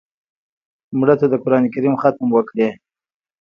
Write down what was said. مړه ته د قرآن ختم وکړې